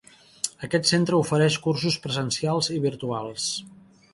Aquest centre ofereix cursos presencials i virtuals.